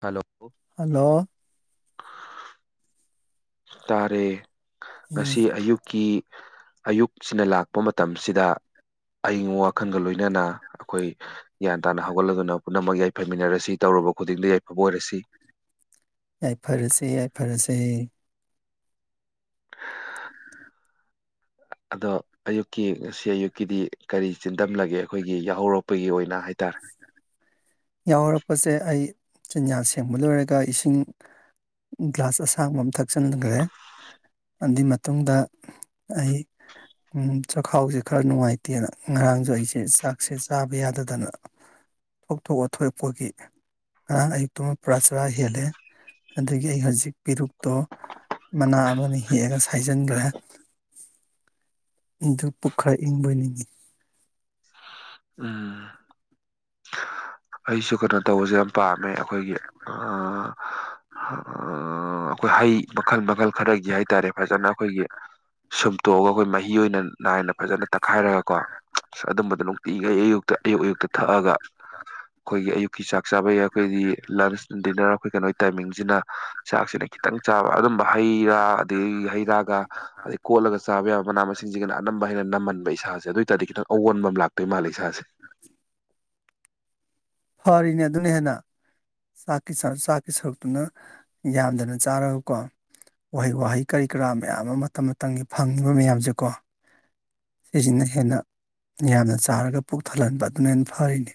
hello hello ꯇꯥꯔꯦ ꯉꯁꯤ ꯎꯝ ꯑꯌꯨꯛꯀꯤ ꯑꯌꯨꯛꯁꯤꯅ ꯂꯥꯛꯄ ꯃꯇꯝꯁꯤꯗ ꯑꯏꯤꯡꯕ ꯋꯥꯈꯜꯒ ꯂꯣꯏꯅꯅ ꯑꯩꯈꯣꯏ ꯒ꯭ꯌꯥꯟ ꯇꯥꯅ ꯍꯧꯒꯠꯂꯒꯅ ꯄꯨꯝꯅꯃꯛ ꯌꯥꯏꯐꯃꯤꯟꯅꯔꯁꯤ ꯇꯧꯔ ꯈꯨꯗꯤꯡꯗ ꯌꯥꯏꯐꯕ ꯑꯣꯏꯔꯁꯤ ꯌꯥꯏꯐꯔꯁꯦ ꯌꯥꯏꯐꯔꯁꯦ [unintelligible] [inaudible] ꯑꯗꯣ ꯑꯌꯨꯛꯀꯤ ꯉꯁꯤ ꯑꯌꯨꯛꯀꯤꯗꯤ ꯀꯔꯤ ꯆꯤꯟꯗꯝꯂꯒꯦ ꯑꯩꯈꯣꯏꯒꯤ ꯌꯥꯍꯧꯔꯛꯄꯒꯤ ꯑꯣꯏꯅ ꯍꯥꯏ ꯇ [inaudible] ꯌꯥꯎꯔꯛꯄꯁꯦ ꯑꯩ ꯆꯤꯟꯌꯥ ꯁꯦꯡꯕ ꯂꯣꯏꯔꯒ ꯏꯁꯤꯡ ꯒ꯭ꯂꯥꯁ ꯑꯁꯥꯡꯕ ꯑꯃ ꯊꯛꯆꯟꯈ꯭ꯔꯦ ꯑꯗꯨꯏ ꯃꯇꯨꯡꯗ ꯑꯩ ꯎ ꯆꯥꯛꯈꯥꯎꯁꯦ ꯈꯔ ꯅꯨꯡꯉꯥꯏꯇꯦꯅ ꯉꯔꯥꯡꯁꯨ ꯑꯩꯁꯦ ꯆꯥꯛꯁꯦ ꯆꯥꯕ ꯌꯥꯗꯗꯅ ꯊꯣꯛꯊꯣꯛꯑ ꯊꯣꯛꯑꯦꯄꯒꯤ ꯉꯔꯥꯡ ꯑꯌꯨꯛꯇꯨ ꯄꯨꯔꯥ ꯆꯔꯥ ꯍꯦꯜꯂꯦ ꯑꯗꯨꯗꯒꯤ ꯑꯩ ꯍꯧꯖꯤꯛ ꯄꯦꯔꯨꯛꯇꯣ ꯃꯅꯥ ꯑꯃꯅ ꯍꯦꯛꯑꯒ ꯁꯥꯏꯖꯤꯟꯈ꯭ꯔꯦ ꯄꯨꯈꯥꯏ ꯏꯪꯕꯣꯏꯅꯤꯡꯉꯤ ꯎꯝ ꯑꯩꯁꯨ ꯀꯩꯅꯣ ꯇꯧꯕꯁꯦ ꯌꯥꯝ ꯄꯥꯝꯃꯦ ꯑꯩꯈꯣꯏꯒꯤ ꯑꯩꯈꯣꯏ ꯍꯩ ꯃꯈꯜ ꯃꯈꯜ ꯈꯔꯒꯤ ꯍꯥꯏꯇꯥꯔꯦ ꯐꯖꯅ ꯑꯩꯈꯣꯏꯒꯤ ꯁꯨꯝꯇꯣꯛꯑꯒ ꯑꯩꯈꯣꯏ ꯃꯍꯤ ꯑꯣꯏꯅ ꯅꯥꯏꯅ ꯐꯖꯅ ꯇꯛꯈꯥꯏꯔꯒꯀꯣ ꯑꯁ ꯑꯗꯨꯝꯕꯗꯣ ꯅꯨꯡꯇꯤꯈꯩ ꯑꯌꯨꯛꯇ ꯑꯌꯨꯛ ꯑꯌꯨꯛꯇ ꯊꯛꯑꯒ ꯑꯩꯈꯣꯏꯒꯤ ꯑꯌꯨꯛꯀꯤ ꯆꯥꯛ ꯆꯥꯕ ꯌꯥꯏ ꯑꯩꯈꯣꯏꯗꯤ ꯂꯟꯁ ꯗꯤꯟꯅꯔ ꯑꯩꯈꯣꯏ ꯀꯩꯅꯣ ꯇꯥꯏꯃꯤꯡꯁꯤꯅ ꯆꯥꯛꯁꯤꯅ ꯈꯤꯇꯪ ꯆꯥꯕ ꯑꯗꯨꯝꯕ ꯍꯩ ꯔꯥ ꯑꯗꯒꯤ ꯍꯩ ꯔꯥꯒ ꯑꯗꯩ ꯀꯣꯠꯂꯒ ꯆꯥꯕ ꯌꯥꯕ ꯃꯅꯥ ꯃꯁꯤꯡꯁꯤꯒꯤꯅ ꯑꯅꯝꯕ ꯍꯥꯏꯅ ꯅꯝꯍꯟꯕ ꯏꯁꯥꯁꯦ ꯑꯗꯨ ꯑꯣꯏꯇꯥꯔꯗꯤ ꯈꯤꯇꯪ ꯑꯑꯣꯟꯕ ꯑꯃ ꯂꯥꯛꯇꯣꯏ ꯃꯥꯜꯂꯦ ꯏꯁꯥꯁꯦ [unintelligible] ꯐꯔꯤꯅꯦ ꯑꯗꯨꯅ ꯍꯦꯟꯅ ꯆꯥꯛꯀꯤ ꯆꯥꯛꯀꯤ ꯁꯔꯨꯛꯇꯨꯅ ꯌꯥꯝꯗꯅ ꯆꯥꯔꯒꯀꯣ ꯋꯥꯍꯩ ꯋꯥꯍꯩ ꯀꯔꯤ ꯀꯔꯥ ꯃꯌꯥꯝ ꯑꯃ ꯃꯇꯝ ꯃꯇꯝꯒꯤ ꯐꯪꯉꯤꯕ ꯃꯌꯥꯝꯁꯦꯀꯣ ꯁꯤꯁꯤꯅ ꯍꯦꯟꯅ ꯌꯥꯝꯅ ꯆꯥꯔꯒ ꯄꯨꯛ ꯊꯜꯍꯟꯕ ꯑꯗꯨꯃꯥꯏꯅ ꯐꯔꯤꯅꯤ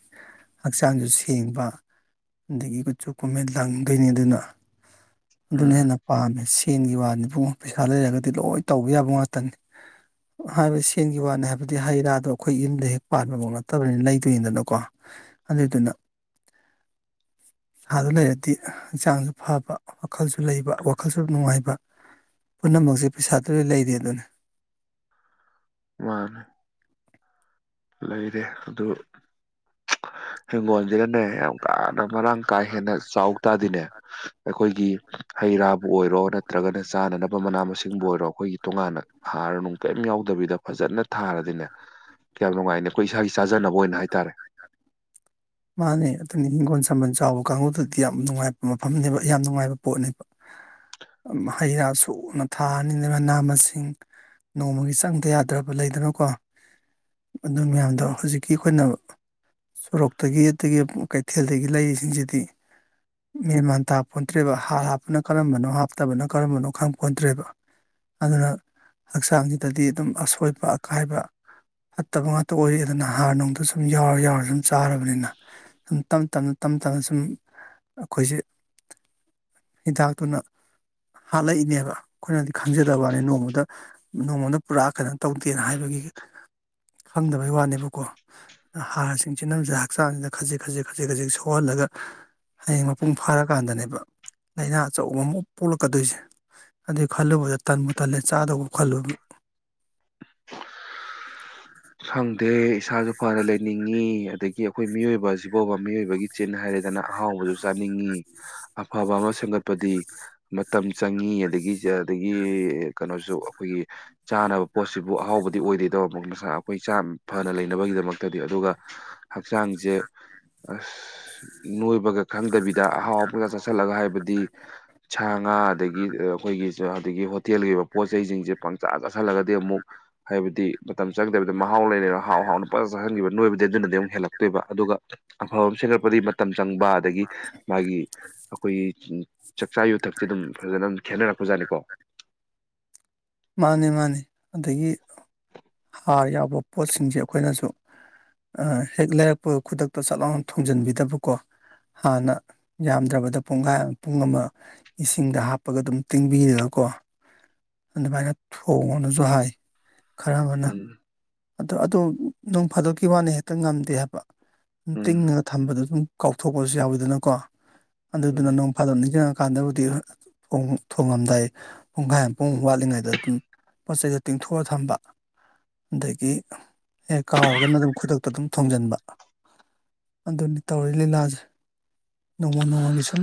ꯍꯛꯆꯥꯡꯁꯨ ꯁꯦꯡꯕ ꯑꯗꯒꯤ ꯀꯨꯆꯨ ꯀꯣꯃꯦꯟ ꯂꯪꯗꯣꯏꯅꯤ ꯑꯗꯨꯅ ꯑꯗꯨꯅ ꯎꯝ ꯍꯦꯟꯅ ꯄꯥꯝꯃꯦ ꯁꯦꯟꯒꯤ ꯋꯥꯅꯤ ꯄꯨꯡ ꯄꯩꯁꯥ ꯂꯩꯔꯒꯗꯤ ꯂꯣꯏ ꯇꯧꯕ ꯌꯥꯕ ꯉꯥꯛꯇꯅꯤ ꯍꯥꯏꯕꯗꯤ ꯁꯦꯟꯒꯤ ꯋꯥꯅꯦ ꯍꯥꯏꯕꯗꯤ ꯍꯩ ꯔꯥꯗꯣ ꯑꯩꯈꯣꯏ ꯌꯨꯝꯗ ꯍꯦꯛ ꯄꯥꯟꯕꯐꯥꯎ ꯅꯠꯇꯕꯅꯤꯅ ꯂꯩꯗꯣꯏꯅꯤꯗꯅꯀꯣ ꯑꯗꯨꯗꯨꯅ ꯁꯥꯗꯨ ꯂꯩꯔꯗꯤ ꯍꯛꯆꯥꯡꯁꯨ ꯐꯕ ꯋꯥꯈꯜꯁꯨ ꯂꯩꯕ ꯋꯥꯈꯜꯁꯨ ꯅꯨꯡꯉꯥꯏꯕ ꯄꯨꯝꯅꯃꯛꯁꯦ ꯄꯩꯁꯥꯗꯨꯗꯤ ꯂꯩꯔꯦ ꯑꯗꯨꯅꯤ ꯋꯥꯅꯦ ꯂꯩꯔꯦ ꯑꯗꯨ [unintelligible] ꯍꯤꯡꯒꯣꯜꯁꯤꯅꯅꯦ ꯌꯥꯝ ꯀꯥꯅ ꯃꯔꯥꯡ ꯀꯥ ꯍꯦꯟꯅ ꯆꯥꯎ ꯇꯥꯗꯤꯅꯦ ꯑꯩꯈꯣꯏꯒꯤ ꯍꯩ ꯔꯥꯕꯨ ꯑꯣꯏꯔꯣ ꯅꯠꯇ꯭ꯔꯒꯅ ꯆꯥꯅꯅꯕ ꯃꯅꯥ ꯃꯁꯤꯡꯕꯨ ꯑꯣꯏꯔꯣ ꯑꯩꯈꯣꯏꯒꯤ ꯇꯣꯉꯥꯟꯅ ꯍꯥꯔ ꯅꯨꯡ ꯀꯔꯤꯝ ꯌꯥꯎꯗꯕꯤ ꯗ ꯐꯖꯅ ꯊꯥꯔꯗꯤꯅꯦ ꯀꯌꯥꯝ ꯅꯨꯡꯉꯥꯏꯅꯦ ꯑꯩꯈꯣꯏ ꯏꯁꯥꯒꯤ ꯆꯥꯖꯅꯕ ꯑꯣꯏꯅ ꯍꯥꯏꯇꯥꯔꯦ ꯃꯥꯅꯦ ꯑꯗꯨꯅꯤ ꯍꯤꯡꯒꯣꯜ ꯁꯝꯕꯜ ꯆꯥꯎꯕ ꯀꯥꯡꯕꯨꯗꯗꯤ ꯌꯥꯝ ꯅꯨꯡꯉꯥꯏꯕ ꯃꯐꯝꯅꯦꯕ ꯌꯥꯝ ꯅꯨꯡꯉꯥꯏꯕ ꯄꯣꯠꯅꯦꯕ ꯍꯩ ꯔꯥ ꯁꯨꯅ ꯊꯥꯔꯅꯤꯅ ꯃꯅꯥ ꯃꯁꯤꯡ ꯅꯣꯡꯃꯒꯤ ꯆꯪꯗ ꯌꯥꯗ꯭ꯔꯕ ꯂꯩ ꯀꯩꯅꯣꯀꯣ ꯑꯗꯨ ꯃꯌꯥꯝꯗꯣ ꯍꯧꯖꯤꯛꯀꯤ ꯑꯩꯈꯣꯏꯅ ꯁꯣꯔꯣꯛ ꯇꯒꯤ ꯑꯒꯤ ꯀꯩꯊꯦꯜꯗꯒꯤ ꯂꯩꯁꯤꯡꯁꯤꯗꯤ ꯃꯤ ꯃꯟꯇꯥꯄꯣꯟꯇ꯭ꯔꯦꯕ ꯍꯥꯔ ꯍꯥꯞꯄꯅ ꯀꯔꯝꯕꯅꯣ ꯍꯥꯞꯇꯕꯅ ꯀꯔꯝꯕꯅꯣ ꯈꯪ ꯄꯣꯟꯗ꯭ꯔꯦꯕ ꯑꯗꯨꯅ ꯍꯛꯆꯥꯡꯁꯤꯗꯗꯤ ꯑꯗꯨꯝ ꯑꯁꯣꯏꯕ ꯑꯀꯥꯏꯕ ꯐꯠꯇꯕ ꯉꯥꯛꯇ ꯑꯣꯏꯔ ꯑꯗꯨꯅ ꯍꯥꯔ ꯅꯨꯡꯗ ꯁꯨꯝ ꯌꯥꯎꯔ ꯌꯥꯎꯔ ꯁꯨꯝ ꯆꯥꯔꯒ ꯅꯤꯅ ꯁꯨꯝ ꯇ ꯁꯨꯝ ꯑꯩꯈꯣꯏꯁꯦ ꯍꯤꯗꯥꯛꯇꯨꯅ ꯍꯥꯠꯂꯛꯏꯅꯦꯕ ꯑꯩꯈꯣꯏꯅꯗꯤ ꯈꯪꯖꯗꯕꯅꯤ ꯅꯣꯡꯃꯗ ꯅꯣꯡꯃꯗ ꯄꯨꯔꯥ ꯀꯩꯅꯣ ꯇꯧꯗꯦꯅ ꯍꯥꯏꯕꯒꯤ ꯈꯪꯗꯕꯩ ꯋꯥꯅꯦꯕꯀꯣ ꯍꯥꯔꯁꯤꯡꯁꯤ ꯅꯝꯖ ꯍꯛꯆꯥꯡꯁꯤꯗ ꯈꯖꯤꯛ ꯈꯖꯤꯛ ꯈꯖꯤꯛ ꯈꯖꯤꯛ ꯁꯣꯛꯍꯜꯂꯒ ꯍꯌꯦꯡ ꯃꯄꯨꯡ ꯐꯥꯔꯀꯥꯟꯗꯅꯦꯕ ꯂꯥꯏꯅꯥ ꯑꯆꯧꯕ ꯑꯃꯨꯛ ꯄꯣꯛꯂꯛꯀꯗꯣꯏꯁꯦ ꯑꯗꯨꯩ ꯈꯜꯂꯨꯕꯗ ꯇꯟꯕꯨ ꯇꯜꯂꯦ ꯆꯥꯗꯧꯕ ꯈꯜꯂꯨꯕ [unintelligible] ꯈꯪꯗꯦ ꯏꯁꯥꯁꯨ ꯐꯅ ꯂꯩꯅꯤꯡꯉꯤ ꯑꯗꯒꯤ ꯑꯩꯈꯣꯏ ꯃꯤꯑꯣꯏꯕ ꯑꯁꯤꯐꯥꯎꯕ ꯃꯤꯑꯣꯏꯕꯒꯤ ꯆꯤꯟ ꯍꯥꯏꯔꯦꯗꯅ ꯑꯍꯥꯎꯕꯁꯨ ꯆꯥꯅꯤꯡꯉꯤ ꯑꯐꯕ ꯑꯃ ꯁꯦꯝꯒꯠꯄꯗꯤ ꯃꯇꯝ ꯆꯪꯉꯤ ꯑꯗꯒꯤ ꯑꯗꯒꯤ ꯀꯩꯅꯣꯁꯨ ꯑꯩꯈꯣꯏꯒꯤ ꯆꯥꯅꯕ ꯄꯣꯠꯁꯤꯕꯨ ꯑꯍꯥꯎꯕꯗꯤ ꯑꯣꯏꯗꯣꯏꯦ ꯇꯧꯁ ꯑꯩꯈꯣꯏ ꯆꯥꯡ ꯐꯅ ꯂꯩꯅꯕꯒꯤꯗꯃꯛꯇꯗꯤ ꯑꯗꯨꯒ ꯍꯛꯆꯥꯡꯁꯦ ꯑꯁ ꯅꯣꯏꯕꯒ ꯈꯪꯗꯕꯤꯗ ꯑꯍꯥꯎꯕ ꯆꯥꯁꯤꯜꯂꯒ ꯍꯥꯏꯕꯗꯤ ꯁꯥꯥꯡ ꯉ ꯑꯗꯒꯤ ꯑꯩꯈꯣꯏꯒꯤꯁꯨ ꯑꯗꯨꯗꯒꯤ ꯍꯣꯇꯦꯜꯒꯤ ꯑꯣꯏꯕ ꯄꯣꯠ ꯆꯩꯁꯤꯡꯁꯦ ꯄꯪꯆꯥꯥ ꯆꯥꯥꯁꯜꯂꯒꯗꯤ ꯑꯃꯨꯛ ꯍꯥꯏꯕꯗꯤ ꯃꯇꯝ ꯆꯪꯗꯕꯤꯗ ꯃꯍꯥꯎ ꯂꯩꯔꯤ ꯍꯥꯎ ꯍꯥꯎꯅ ꯄꯖ ꯆꯥꯍꯟꯈꯤꯕ ꯅꯣꯏꯕꯗꯤ ꯑꯗꯨꯅꯗꯤ ꯑꯃꯨꯛ ꯍꯦꯜꯂꯛꯇꯣꯏꯕ ꯑꯗꯨꯒ ꯑꯐꯕ ꯑꯃ ꯁꯦꯝꯒꯠꯄꯗꯤ ꯃꯇꯝ ꯆꯪꯕ ꯑꯗꯒꯤ ꯃꯥꯒꯤ ꯑꯩꯈꯣꯏꯒꯤ ꯆꯥꯛꯆꯥ ꯌꯨꯊꯛꯁꯦ ꯑꯗꯨꯝ ꯐꯖꯅꯝ ꯈꯦꯠꯅꯔꯛꯄꯖꯥꯠꯅꯤꯀꯣ [unintelligible] ꯃꯥꯅꯤ ꯃꯥꯅꯤ ꯑꯗꯒꯤ ꯍꯥꯔ ꯌꯥꯎꯕ ꯄꯣꯠꯁꯤꯡꯁꯦ ꯑꯩꯈꯣꯏꯅꯁꯨ ꯍꯦꯛ ꯂꯩꯔꯛꯄ ꯈꯨꯗꯛꯇ ꯆꯠ ꯂꯥꯎꯅ ꯊꯣꯡꯖꯤꯟꯕꯤꯗꯕꯀꯣ ꯍꯥꯟꯅ ꯌꯥꯝꯗ꯭ꯔꯕꯗ ꯄꯨꯡꯈꯥꯏ ꯄꯨꯡ ꯑꯃ ꯏꯁꯤꯡꯗ ꯍꯥꯞꯄꯒ ꯑꯗꯨꯝ ꯇꯤꯡꯕꯤꯔꯒꯀꯣ ꯑꯗꯨꯃꯥꯏꯅ ꯊꯣꯡꯉꯅꯁꯨ ꯍꯥꯏ ꯈꯔ ꯑꯃꯅ ꯎꯝ ꯑ ꯑꯗꯨ ꯅꯨꯡ ꯐꯥꯗꯣꯛꯀꯤ ꯋꯥꯅꯤ ꯍꯦꯛꯇ ꯉꯝꯗꯦ ꯍꯥꯏꯕ ꯎꯝ ꯇꯤꯡꯉꯒ ꯊꯝꯕꯗ ꯑꯗꯨꯝ ꯀꯥꯎꯊꯣꯛꯄꯁꯨ ꯌꯥꯎꯋꯤꯗꯅꯀꯣ ꯎꯝ ꯑꯗꯨꯗꯨꯅ ꯅꯣꯡ ꯐꯥꯗꯅꯤ ꯀꯥꯟꯗꯕꯨꯗꯤ ꯊꯣꯡꯉꯝꯗꯥꯏ ꯄꯨꯡꯈꯥꯏ ꯄꯨꯡ ꯋꯥꯠꯂꯤꯉꯩꯗ ꯑꯗꯨꯝ ꯄꯣꯠ ꯆꯩꯩꯗ ꯇꯤꯡꯊꯣꯛꯑ ꯊꯝꯕ ꯑꯗꯒꯤ ꯍꯦꯛ ꯀꯥꯎꯔꯒꯅ ꯑꯗꯨꯝ ꯈꯨꯗꯛꯇ ꯑꯗꯨꯝ ꯊꯣꯡꯖꯤꯟꯕ ꯑꯗꯨꯅꯤ ꯇꯧꯔꯤ ꯂꯤꯂꯥꯁꯦ ꯅꯣꯡꯃ ꯅꯣꯡꯃꯒꯤ ꯁꯨꯝ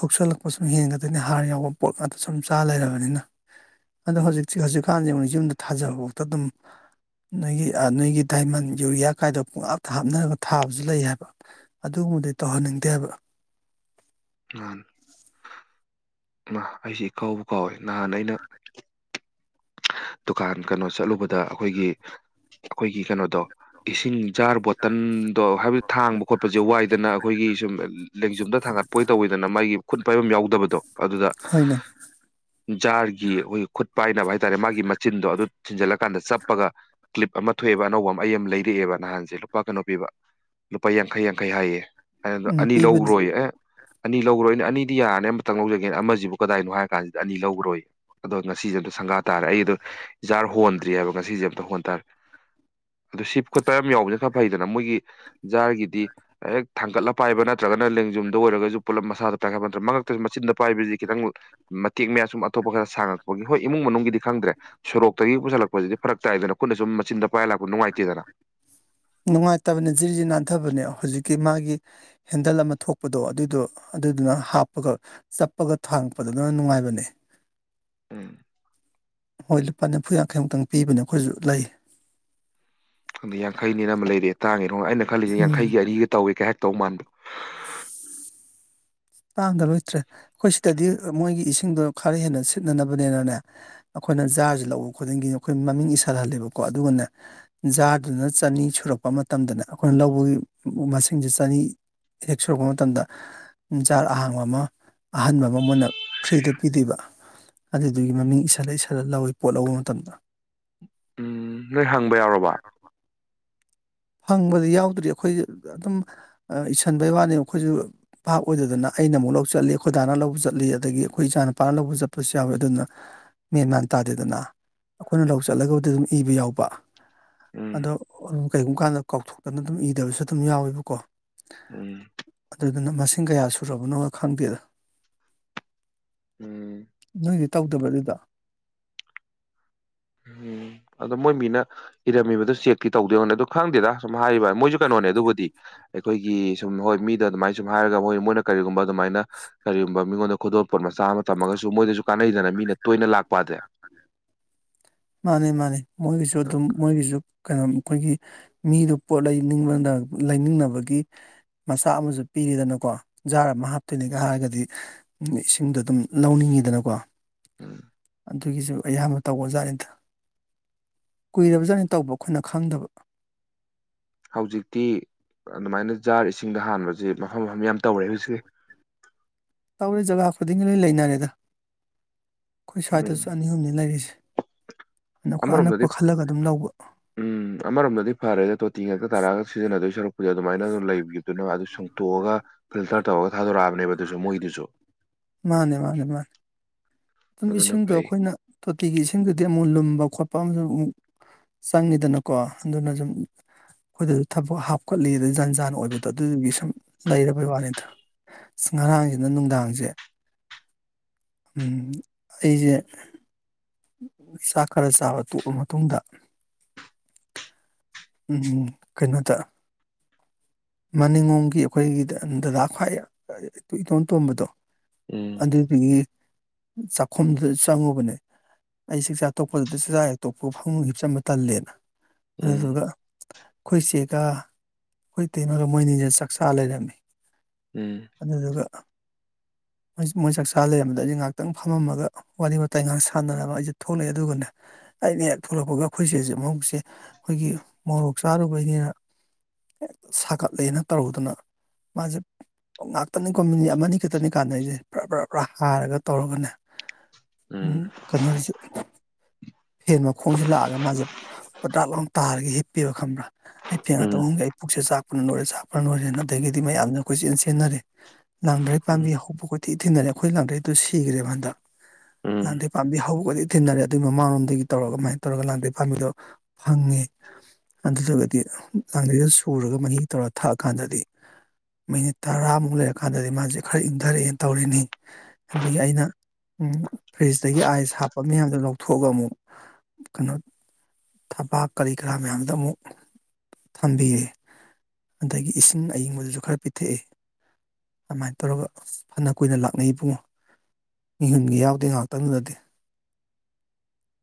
ꯍꯧꯁꯜꯂꯛꯄ ꯁꯨꯝ ꯍꯦꯟꯒꯗꯣꯏꯅꯤ ꯍꯥꯔ ꯌꯥꯎꯕ ꯄꯣꯠ ꯉꯥꯛꯇ ꯁꯨꯝ ꯆꯥ ꯂꯩꯔꯕꯅꯤꯅ ꯑꯗꯣ ꯍꯧꯖꯤꯛ ꯍꯧꯖꯤꯛꯀꯥꯟꯁꯦ ꯍꯧꯨꯛꯁꯤ ꯌꯨꯝꯗ ꯊꯥꯖꯕꯐꯥꯎꯗ ꯑꯗꯨꯝ ꯅꯣꯏꯒꯤ ꯅꯣꯏꯒꯤ ꯗꯥꯏꯃꯟ ꯌꯨꯔꯤꯌꯥ ꯀꯥꯏꯗꯣ ꯄꯨꯡꯂꯥꯞꯇ ꯍꯥꯞꯅꯔꯒ ꯊꯥꯕꯁꯨ ꯂꯩ ꯍꯥꯏꯕ ꯑꯗꯨ ꯗꯤ ꯇꯧꯍꯟꯅꯤꯡꯗꯦ ꯍꯥꯏꯕ ꯑ [unintelligible] [inaudible] ꯑ ꯑꯩꯁꯤ ꯀꯥꯎꯕ ꯀꯥꯎꯋꯦ ꯅꯍꯥꯟ ꯑꯩꯅ ꯗꯨꯀꯥꯟ ꯀꯩꯅꯣ ꯆꯠꯂꯨꯕꯗ ꯑꯩꯈꯣꯏꯒꯤ ꯑꯩꯈꯣꯏꯒꯤ ꯀꯩꯅꯣꯗꯣ ꯏꯁꯤꯡ ꯖꯥꯔ ꯕꯣꯇꯜꯗꯣ ꯍꯥꯏꯕꯗꯤ ꯊꯥꯡꯕ ꯈꯣꯠꯄꯁꯦ ꯋꯥꯏꯗꯅ ꯑꯩꯈꯣꯏꯒꯤ ꯁꯨꯝꯦꯡꯨꯝ ꯗ ꯊꯥꯡꯒꯠꯄꯣꯏ ꯇꯋꯤꯗꯅ ꯃꯥꯒꯤ ꯈꯨꯠ ꯄꯥꯏꯐꯝ ꯌꯥꯎꯗꯕꯗꯣ ꯑꯗꯨꯗ ꯍꯣꯏꯅꯦ ꯖꯥꯔꯒꯤ ꯑꯩꯈꯣꯏ ꯈꯨꯠ ꯄꯥꯏꯅꯕ ꯍꯥꯏ ꯍꯥꯏꯔꯦ ꯃꯥꯒꯤ ꯃꯆꯤꯟꯗꯣ ꯑꯗꯨ ꯊꯤꯟꯖꯜꯂꯀꯥꯟꯗ ꯆꯞꯄꯒ ꯀ꯭ꯂꯤꯞ ꯑꯃ ꯊꯣꯛꯑꯦꯕ ꯑꯅꯧꯕ ꯑꯃ ꯑꯩ ꯑꯃ ꯂꯩꯔꯛꯑꯦꯕ ꯅꯍꯥꯟꯁꯤꯦ ꯂꯨꯄꯥ ꯀꯩꯅꯣ ꯄꯤꯕ ꯂꯨꯄꯥ ꯌꯥꯡꯈꯩ ꯌꯥꯡꯈꯩ ꯍꯥꯏꯌꯦ ꯑꯗꯨꯗ ꯎꯝ ꯑꯅꯤ ꯄꯤꯕꯅꯦ ꯂꯧꯔꯣꯏ ꯑꯦ ꯑꯅꯤ ꯂꯧ꯭ꯔꯣꯏ ꯑꯩꯅ ꯑꯅꯤꯗꯤ ꯌꯥꯔꯅꯤ ꯑꯃꯇꯪ ꯂꯧꯖꯒꯦꯅ ꯑꯃꯁꯤꯕꯨ ꯀꯗꯥꯏꯅꯣ ꯍꯥꯏꯔ ꯀꯥꯟꯁꯤꯗ ꯑꯅꯤ ꯂꯧꯈꯔꯣꯏ ꯑꯗꯣ ꯉꯁꯤꯦꯗꯣ ꯁꯪꯒꯥ ꯇꯥꯔꯦ ꯑꯩꯗꯣ ꯏꯖꯥꯔ ꯍꯣꯟꯗ꯭ꯔꯤꯑꯕ ꯉꯁꯤꯁꯦ ꯑꯝꯇ ꯍꯣꯟ ꯇꯥꯔꯦ ꯑꯗꯨ ꯁꯤ ꯈꯣꯠꯄ ꯌꯥꯝ ꯌꯥꯎꯕꯅ ꯈꯔ ꯐꯩꯗꯅ ꯃꯣꯏꯒꯤ ꯖꯥꯔꯒꯤꯗꯤ ꯍꯦꯛ ꯊꯥꯡꯒꯠꯂ ꯄꯥꯏꯕ ꯅꯠꯇ꯭ꯔꯒꯅ ꯂꯦꯡꯖꯨꯝꯗ ꯑꯣꯏꯔꯒꯁꯨ ꯄꯨꯜꯂꯞ ꯃꯁꯥꯗ ꯇꯥꯡꯈꯠ ꯅꯠꯇ꯭ꯔ ꯃꯔꯛꯇꯁꯨ ꯃꯆꯤꯟꯗ ꯄꯥꯏꯕꯁꯤ ꯈꯤꯇꯪ ꯇꯦꯛ ꯃꯌꯥꯝ ꯁꯨꯝ ꯑꯇꯣꯞꯄ ꯈꯔ ꯁꯥꯡꯉꯛꯄꯒꯤ ꯍꯣꯏ ꯏꯃꯨꯡ ꯃꯅꯨꯡꯒꯤꯗꯤ ꯈꯪꯗ꯭ꯔꯦ ꯁꯣꯔꯣꯛꯇꯒꯤ ꯄꯨꯁꯜꯂꯛꯁꯤꯗꯤ ꯐꯔ ꯇꯥꯏꯗꯅ ꯈꯨꯠꯅ ꯁꯨꯝ ꯃꯆꯤꯟꯗ ꯄꯥꯏꯔ ꯂꯥꯛꯄ ꯅꯨꯡꯉꯥꯏꯇꯦꯗꯅ ꯅꯨꯡꯉꯥꯏꯇꯕꯅꯦ ꯖꯤꯔꯤꯖꯤ ꯅꯥꯟꯊꯕꯅꯦ ꯍꯧꯖꯤꯛ ꯀꯤ ꯃꯥꯒꯤ ꯍꯦꯟꯗꯜ ꯑꯃ ꯊꯣꯛꯄꯗꯣ ꯑꯗꯨꯗꯣ ꯑꯗꯨꯗꯨꯅ ꯍꯥꯞꯄꯒ ꯆꯞꯄꯒ ꯊꯥꯡꯛꯄꯗ ꯑꯗꯨ ꯂꯅ ꯅꯨꯡꯉꯥꯏꯕꯅꯦ ꯍꯣꯏ ꯂꯨꯄꯥ ꯅꯤꯐꯨ ꯌꯥꯡꯈꯩꯃꯨꯛꯇꯪ ꯄꯤꯕꯅꯦ ꯑꯩꯈꯣꯏꯁꯨ ꯂꯩ ꯑꯗꯨꯗ ꯌꯥꯡꯈꯩꯅꯤ ꯑꯃ ꯂꯩꯔꯦ ꯇꯥꯡꯉꯤꯔꯣ ꯑꯩꯅ ꯈꯜꯂꯤꯁꯦ ꯎꯝ ꯌꯥꯡꯈꯩꯒꯤ ꯑꯅꯤꯒ ꯇꯧꯋꯦ ꯀꯩꯍꯦꯛ ꯇꯧ ꯃꯥꯟꯕꯣ ꯇꯥꯡꯗ ꯂꯣꯏꯇ꯭ꯔꯦ ꯑꯩꯈꯣꯏ ꯁꯤꯗꯗꯤ ꯃꯣꯏꯒꯤ ꯏꯁꯤꯡꯗꯣ ꯈꯔ ꯍꯦꯟꯅ ꯁꯤꯠꯅꯅꯕꯅꯤꯅꯅꯦ ꯑꯩ ꯑꯩꯈꯣꯏꯅ ꯖꯥꯔꯁꯤ ꯂꯧꯕ ꯈꯨꯗꯤꯡꯒꯤ ꯑꯩꯈꯣꯏ ꯃꯃꯤꯡ ꯏꯁꯜꯍꯜꯂꯦꯕꯀꯣ ꯑꯗꯨꯒꯅ ꯖꯥꯗꯨꯅ ꯆꯅꯤ ꯁꯨꯔꯛꯄ ꯃꯇꯝꯗꯅꯦ ꯑꯩꯈꯣꯏꯅ ꯂꯧꯕꯒꯤ ꯃꯁꯤꯡꯁ ꯆꯅꯤ ꯑꯦꯛ ꯁꯨꯔꯛꯄ ꯃꯇꯝꯗ ꯎꯟ ꯆꯔ ꯑꯍꯥꯡꯕ ꯑꯃ ꯑꯍꯟꯕ ꯑꯃ ꯃꯣꯏꯅ ꯐ꯭ꯔꯤꯗ ꯄꯤꯗꯕ ꯑꯗꯨꯗꯨꯒꯤ ꯃꯃꯤꯡ ꯏꯁꯟꯂ ꯏꯁꯜꯂ ꯂꯧꯏꯤ ꯄꯣꯠ ꯂꯧꯕ ꯃꯇꯝꯗ ꯎꯝ ꯅꯣꯏ ꯍꯪꯕ ꯌꯥꯎꯔꯕ ꯐꯪꯕꯗꯤ ꯌꯥꯎꯗ꯭ꯔꯤ ꯑꯩꯈꯣꯏ ꯑꯗꯨꯝ ꯏꯁꯟꯕꯩ ꯋꯥꯅꯤ ꯑꯩꯈꯣꯏꯁꯨ ꯄ ꯑꯣꯏꯗꯗꯅ ꯑꯩꯅ ꯑꯃꯨꯛ ꯂꯧ ꯆꯠꯂꯤ ꯈꯣꯏꯗꯥꯅ ꯂꯧꯕ ꯆꯠꯂꯤ ꯑꯗꯒꯤ ꯑꯩꯈꯣꯏ ꯏꯆꯥ ꯅꯨꯄꯥꯅ ꯂꯧꯕ ꯆꯠꯄꯁꯨ ꯌꯥꯎꯋꯦ ꯑꯗꯨꯅ ꯃꯦꯟ ꯃꯥꯟꯟ ꯇꯥꯗꯦꯗꯅ ꯑꯩꯈꯣꯏꯅ ꯂꯧ ꯆꯠꯂꯒꯕꯨꯗꯤ ꯑꯗꯨꯝ ꯏꯕ ꯌꯥꯎꯕ ꯎꯝ ꯑꯗꯣ ꯑꯗꯨꯝ ꯀꯔꯤꯒꯨꯝꯕ ꯀꯥꯟꯗ ꯀꯥꯎꯊꯣꯛꯇꯅ ꯑꯗꯨꯝ ꯏꯗꯕꯁꯨ ꯑꯗꯨꯝ ꯌꯥꯎꯋꯦꯕꯀꯣ ꯎꯝ ꯑꯗꯨꯅ ꯃꯁꯤꯡ ꯀꯌꯥ ꯁꯨꯔꯕꯅꯣꯒ ꯈꯪꯕꯤꯔ ꯎꯝ ꯅꯣꯏꯗꯤ ꯇꯧꯗꯕ꯭ꯔꯥ ꯑꯗꯨꯗ [unintelligible] ꯎꯝ [inaudible] ꯑꯗꯣ ꯃꯣꯏ ꯃꯤꯅ ꯏꯔꯝꯃꯤꯕꯗꯨ ꯆꯦꯛꯇꯤ ꯇꯧꯗꯦꯧꯅꯦ ꯑꯗꯨ ꯈꯪꯗꯦꯗ ꯁꯨꯝ ꯍꯥꯏꯔꯤꯕ ꯃꯣꯏꯁꯨ ꯀꯩꯅꯣꯅꯦ ꯑꯗꯨꯕꯨꯗꯤ ꯑꯩꯈꯣꯏꯒꯤ ꯁꯨꯝ ꯍꯣꯏ ꯃꯤꯗ ꯑꯗꯨꯃꯥꯏꯅ ꯁꯨꯝ ꯍꯥꯏꯔꯒ ꯃꯣꯏ ꯃꯣꯏꯅ ꯀꯔꯤꯒꯨꯝꯕ ꯑꯗꯨꯃꯥꯏꯅ ꯀꯔꯤꯒꯨꯝꯕ ꯃꯤꯉꯣꯟꯗ ꯈꯨꯗꯣꯜꯄꯣꯠ ꯆꯥꯃ ꯊꯝꯃꯒꯁꯨ ꯃꯣꯏꯗꯁꯨ ꯀꯥꯟꯅꯩꯗꯅ ꯃꯤꯅ ꯇꯣꯏꯅ ꯂꯥꯛꯄꯗꯦ ꯃꯥꯅꯤ ꯃꯥꯅꯤ ꯃꯣꯏꯒꯤꯁꯨ ꯑꯗꯨꯝ ꯃꯣꯏꯒꯤꯁꯨ ꯀꯩꯅꯣ ꯑꯩꯈꯣꯏꯒꯤ ꯃꯤꯗꯨꯣ ꯄꯣꯠ ꯂꯩꯅꯤꯡꯕ ꯂꯩꯅꯤꯡꯅꯕꯒꯤ ꯃꯆꯥꯛ ꯑꯃꯁꯨ ꯄꯤ ꯄꯤꯔꯤꯗꯅꯀꯣ ꯖꯥꯔ ꯑꯃ ꯍꯥꯞꯇꯣꯏꯅꯦꯒ ꯍꯥꯏꯔꯒꯗꯤ ꯏꯁꯤꯡꯗꯣ ꯑꯗꯨꯝ ꯂꯧꯅꯤꯡꯉꯤꯗꯅꯀꯣ ꯎꯝ ꯑꯗꯨꯒꯤꯁꯨ ꯑꯌꯥꯝꯕ ꯇꯧꯕꯖꯥꯠꯗ ꯀꯨꯏꯔꯕꯖꯥꯠꯅꯤ ꯇꯧꯕ ꯑꯩꯈꯣꯏꯅ ꯈꯪꯗꯕ ꯍꯧꯖꯤꯛꯇꯤ ꯑꯗꯨꯃꯥꯏꯅ ꯖꯥꯔ ꯏꯁꯤꯡꯗ ꯍꯥꯟꯕꯁꯦ ꯃꯐꯝ ꯃꯐꯝ ꯌꯥꯝ ꯇꯧꯔꯦ ꯍꯧꯖꯤꯛꯀꯤ ꯇꯧꯔꯦ ꯖꯒꯥ ꯈꯨꯗꯤꯡꯒꯤ ꯂꯣꯏ ꯂꯩꯅꯔꯦꯗ ꯑꯩꯈꯣꯏ ꯎꯝ ꯁ꯭ꯋꯥꯏꯗꯁꯨ ꯑꯅꯤ ꯑꯍꯨꯝꯅꯤ ꯂꯩꯔꯤꯁꯦ ꯑ ꯑꯩꯔ ꯑꯅꯛꯄ ꯑꯃꯔꯣꯝꯗꯗꯤ ꯈꯜꯂꯒ ꯑꯗꯨꯝ ꯂꯧꯕ ꯎꯝ ꯑꯃꯔꯣꯝꯗꯗꯤ ꯐꯔꯦꯗ ꯇꯣꯇꯤ ꯉꯥꯛꯇ ꯇꯥꯔꯛꯑꯒ ꯁꯤꯖꯤꯟꯅꯗꯣꯏ ꯁꯔꯨꯛꯄꯨ ꯑꯗꯨꯃꯥꯏꯅ ꯂꯩꯕꯤꯗꯨꯅ ꯑꯗꯨ ꯁꯪꯇꯣꯛꯑ ꯐꯤꯜꯇꯔ ꯇꯧꯔꯒ ꯊꯥꯗꯣꯔꯛꯑꯕꯅꯦꯕ ꯑꯗꯨ ꯃꯣꯏꯗꯨꯁꯨ ꯃꯥꯅꯦ ꯃꯥꯅꯦ ꯃꯥꯅꯦ ꯑꯗꯨꯝ ꯏꯁꯤꯡꯗꯣ ꯑꯩꯈꯣꯏꯅ ꯇꯣꯇꯤꯒꯤ ꯏꯁꯤꯡꯗꯨꯗꯤ ꯑꯃꯨꯛ ꯂꯨꯝꯕ ꯈꯣꯠꯄ ꯑꯃꯁꯨꯡ ꯑꯃꯨꯛ ꯆꯪꯉꯤꯗꯅꯀꯣ ꯑꯗꯨꯅ ꯁꯨꯝ ꯑꯩꯈꯣꯏꯗꯁꯨ ꯊꯕꯛ ꯍꯥꯞꯀꯠꯂꯤ ꯑꯗꯨꯗ ꯖꯟ ꯖꯥꯟꯟ ꯑꯣꯏꯕꯗꯣ ꯑꯗꯨꯗꯨꯒꯤ ꯁꯨꯝ ꯂꯩꯔꯕꯩ ꯋꯥꯅꯤꯗ ꯉꯔꯥꯡꯁꯤꯅ ꯅꯨꯡꯗꯥꯡꯁꯦ ꯎꯝ ꯑꯩꯁꯦ ꯆꯥꯛ ꯈꯔ ꯆꯥꯕ ꯇꯣꯛꯑ ꯃꯇꯨꯡꯗ ꯎꯝꯝ ꯀꯩꯅꯣꯇ ꯃꯅꯤꯡꯂꯣꯝꯒꯤ ꯑꯩꯈꯣꯏꯒꯤ ꯗꯗꯥ ꯈ꯭ꯋꯥꯏ ꯏꯇ ꯏꯇꯣꯟꯝ ꯇꯣꯝꯕꯗꯣ ꯎꯝ ꯑꯗꯨꯗꯨꯗꯒꯤ ꯆꯥꯛꯈꯨꯝꯗꯨ ꯆꯪꯉꯨꯕꯅꯦ ꯑꯩ ꯆ ꯆꯥꯛ ꯇꯣꯛꯄꯗꯨꯗ ꯆꯥꯛꯖꯥꯛ ꯍꯦꯛꯇꯣꯛꯄ ꯐꯪꯈꯤꯕ ꯆꯝꯕ ꯇꯜꯂꯦꯅ ꯎꯝ ꯑꯗꯨꯗꯨꯒ ꯑꯩꯈꯣꯏ ꯆꯦꯀ ꯑꯩꯈꯣꯏ ꯇꯩꯅꯉꯒ ꯃꯣꯏꯅꯤꯅ ꯆꯥꯛꯆꯥ ꯂꯩꯔꯝꯃꯤ ꯎꯝ ꯑꯗꯨꯗꯨꯒ ꯃꯣꯏ ꯆꯥꯛꯆꯥ ꯂꯩꯔꯝꯕꯗ ꯑꯩꯁ ꯉꯥꯏꯍꯥꯛꯇꯪ ꯐꯝꯃꯝꯃꯒ ꯋꯥꯔꯤ ꯋꯥꯇꯥꯏ ꯉꯥꯏꯍꯥꯛ ꯁꯥꯟꯅꯔꯅꯕ ꯑꯩꯁꯦ ꯊꯣꯛꯂꯛꯑꯦ ꯑꯗꯨꯒꯅꯦ ꯑꯩꯅ ꯍꯦꯛ ꯊꯣꯛꯂꯛꯄꯒ ꯑꯩꯈꯣꯏꯁꯦꯁꯦ ꯃꯕꯨꯁꯦ ꯑꯩꯈꯣꯏꯒꯤ ꯃꯣꯔꯣꯛ ꯆꯥꯔꯨꯕꯩꯅꯤꯅ ꯁꯥꯒꯠꯂꯦꯅ ꯇꯧꯔꯨꯗꯅ ꯃꯥꯁꯦ ꯉꯥꯛꯇꯅꯤꯀꯣ ꯃꯤꯅꯤꯠ ꯑꯃꯅꯤꯅꯤ ꯈꯛꯇꯅꯤ ꯀꯥꯟꯗ ꯑꯩꯁꯦ ꯭ꯔꯥ ꯕ꯭ꯔꯥ ꯕ꯭ꯔꯥ ꯍꯥꯏꯔꯒ ꯇꯧꯔꯒꯅꯦ ꯎꯝ ꯀꯅ ꯍꯦꯟ ꯃꯈꯣꯡꯁꯤꯦ ꯂꯥꯛꯑꯒ ꯃꯥꯁꯦ ꯄꯇꯥꯛ ꯂꯥꯎ ꯇꯥꯔꯒ ꯍꯤꯞꯄꯤꯔ ꯈꯪꯕ꯭ꯔꯥ ꯑꯩ ꯐꯦꯡꯉ ꯎꯝ ꯇꯧꯒ ꯄꯨꯛꯁꯦ ꯆꯥꯛꯄꯅ ꯂꯣꯏꯔꯦ ꯆꯥꯛꯄꯅ ꯂꯣꯏꯔꯦ ꯑꯗꯒꯤꯗꯤ ꯃꯌꯥꯝꯅ ꯑꯩꯈꯣꯏ ꯆꯦꯟ ꯁꯦꯟꯅꯔꯦ ꯂꯥꯡꯗ꯭ꯔꯩ ꯄꯥꯝꯕꯤ ꯎꯝ ꯍꯧꯕꯠ ꯊꯤ ꯊꯤꯅꯔꯦ ꯑꯩꯈꯣꯏ ꯂꯥꯡꯊ꯭ꯔꯩꯗꯨꯣ ꯁꯤꯈ꯭ꯔꯦꯕ ꯍꯟꯗꯛ ꯎꯝ ꯂꯥꯡꯊꯩ ꯄꯥꯝꯕꯤ ꯍꯧꯒꯗꯤ ꯊꯤꯅꯔꯦ ꯑꯗꯨꯒꯤ ꯃꯃꯥꯡꯂꯣꯝꯗ ꯑꯗꯒꯤ ꯇꯧꯔꯒ ꯀꯃꯥꯏꯅ ꯇꯧꯔꯒ ꯂꯥꯟꯇꯩ ꯄꯥꯝꯕꯤꯗꯣ ꯐꯪꯉꯦ ꯑꯗꯨꯗꯨꯒꯗꯤ ꯂꯥꯡꯙꯩꯗ ꯁꯨꯔꯒ ꯃꯍꯤ ꯇꯧꯔ ꯊꯥꯛꯑꯀꯥꯟꯗꯗꯤ ꯃꯤꯅꯤꯠ ꯇꯔꯥꯃꯨꯛ ꯂꯩꯔꯀꯥꯟꯗꯗꯤ ꯃꯥꯁꯦ ꯈꯔ ꯏꯪꯊꯔꯛꯑꯦꯅ ꯇꯧꯔꯤꯅꯤ ꯑꯗꯒꯤ ꯑꯩꯅ ꯐ꯭ꯔꯤꯖꯇꯒꯤ ꯑꯥꯏꯁ ꯍꯥꯞꯄ ꯃꯌꯥꯝꯗꯣ ꯂꯧꯊꯣꯛꯑꯒ ꯑꯃꯨꯛ ꯀꯩꯅꯣ ꯊꯕꯥꯛ ꯀꯔꯤ ꯀꯔꯥ ꯃꯌꯥꯝꯗ ꯑꯃꯨꯛ ꯊꯝꯕꯤꯌꯦꯦ ꯑꯗꯒꯤ ꯏꯁꯤꯡ ꯑꯌꯤꯡꯕꯗꯨꯁꯨ ꯈꯔ ꯄꯤꯊꯛꯑꯦ ꯑꯗꯨꯃꯥꯏꯅ ꯇꯧꯔꯒ ꯐꯅ ꯀꯨꯏꯅ ꯂꯥꯛꯅꯩꯕꯨꯡꯉꯣ ꯃꯤꯍꯨꯟꯒ ꯌꯥꯎꯗ ꯉꯥꯏꯍꯥꯛꯇꯪ ꯅꯗꯦ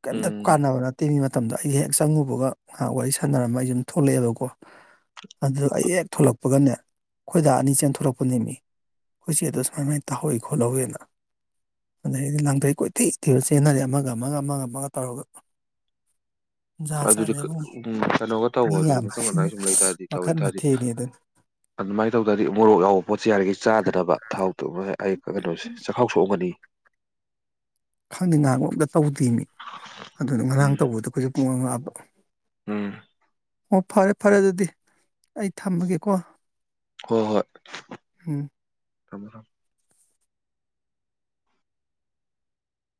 ꯀꯩꯝꯇ ꯎꯝ ꯀꯥꯟꯅꯕꯅ ꯇꯤꯡꯉ ꯃꯇꯝꯗ ꯑꯩ ꯍꯦꯛ ꯆꯪꯉꯨꯕꯒ ꯉꯥꯏꯍꯥꯛ ꯋꯥꯔꯤ ꯁꯥꯟꯅꯔꯃ ꯑꯩꯁꯨꯝ ꯊꯣꯛꯂꯛꯑꯦꯕꯀꯣ ꯑꯗꯨꯗ ꯑꯌꯦꯛ ꯊꯣꯛꯂꯛꯄꯒꯅꯦ ꯈꯣꯏꯗꯥ ꯑꯅꯤ ꯆꯦꯟ ꯊꯣꯛꯂꯛꯄꯅꯤꯃꯤ ꯍꯧꯖꯤꯦ ꯑꯗꯨꯁꯃ ꯃ ꯇꯥꯍꯣꯏ ꯈꯣꯂ ꯍꯨꯦꯅ ꯑꯗꯩꯗꯤ ꯂꯥꯡꯊꯩ ꯀꯣꯏꯊꯩ ꯏꯊꯤꯔ ꯆꯦꯟꯅꯔꯦ ꯑꯃꯒ ꯑꯃꯒ ꯑꯃꯒ ꯑꯃꯒ ꯇꯧꯔꯒ ꯖꯥꯠ ꯑꯗꯨꯗꯤ ꯖꯥꯠꯅꯦ ꯏꯕꯨꯡꯉꯣ ꯎꯝ ꯀꯩꯅꯣꯒ ꯇꯧꯋꯣ ꯃꯤ ꯑꯗꯨꯗꯤ ꯃꯇꯨꯡꯊꯪ ꯌꯥꯝꯕꯁꯤꯅ ꯑꯗꯨꯗꯥꯏ ꯁꯨꯝ ꯂꯩ ꯇꯔꯗꯤ ꯇꯧꯤ ꯃꯈꯟ ꯇꯔꯗꯤ ꯃꯊꯦꯜꯅꯤ ꯑꯗꯨꯅꯤ ꯑꯗꯨꯃꯥꯏꯅ ꯇꯧꯗꯔꯗꯤ ꯃꯣꯔꯣꯛ ꯌꯥꯎꯕ ꯄꯣꯠꯁꯦ ꯌꯥꯔꯤꯈꯩ ꯆꯥꯗꯅꯕ ꯊꯥꯎꯇꯣ ꯑꯩ ꯀꯩꯅꯣꯁꯦ ꯆꯥꯛꯈꯥꯎ ꯁꯣꯛꯑꯝꯒꯅꯤ ꯈꯪꯗꯦ ꯉꯥꯡꯕꯝꯇ ꯇꯧꯗꯦꯅꯤ ꯑꯗꯨꯅ ꯉꯔꯥꯡ ꯎꯝ ꯇꯧꯕꯗ ꯀꯩꯁꯨ ꯄꯣ ꯉꯛꯕ ꯎꯝ ꯑꯣ ꯐꯔꯦ ꯐꯔꯦ ꯑꯗꯨꯗꯤ ꯑꯩ ꯊꯝꯃꯒꯦꯀꯣ ꯍꯣꯏ ꯍꯣꯏ ꯎꯝ ꯊꯝꯃꯦ ꯊꯝꯃꯣ